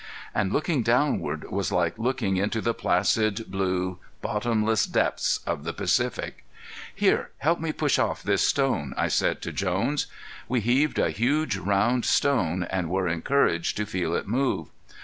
And looking downward was like looking into the placid, blue, bottomless depths of the Pacific. "Here, help me push off this stone," I said to Jones. We heaved a huge round stone, and were encouraged to feel it move.